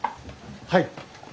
はい。